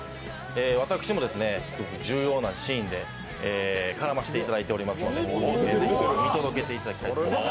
私もすごく重要なシーンで絡ませていただいておりますのでぜひ見届けていただきたいと思います。